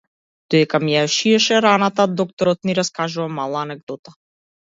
Додека ми ја шиеше раната докторот ни раскажа мала анегдота.